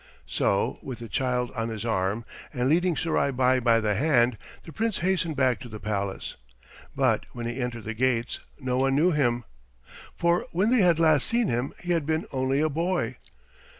So, with the child on his arm, and leading Surai Bai by the hand, the Prince hastened back to the palace. But when he entered the gates no one knew him, for when they had last seen him he had been only a boy.